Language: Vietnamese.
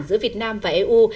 giữa việt nam và eu